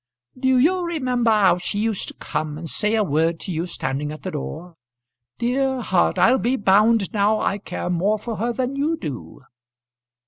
"Do you remember how she used to come and say a word to you standing at the door? Dear heart! I'll be bound now I care more for her than you do."